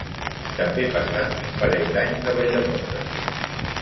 També passà un parell d'anys a Valldemossa.